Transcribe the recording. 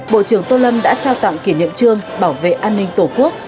bộ trưởng tô lâm đã trao tặng kỷ niệm trương bảo vệ an ninh tổ quốc